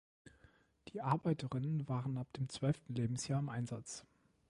Die Arbeiterinnen waren ab dem zwölften Lebensjahr im Einsatz.